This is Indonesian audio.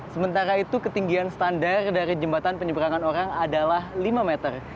sementara itu ketinggian standar dari jembatan penyeberangan orang adalah lima meter